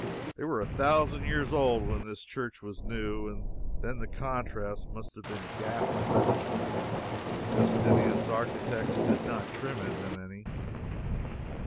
They were a thousand years old when this church was new, and then the contrast must have been ghastly if Justinian's architects did not trim them any.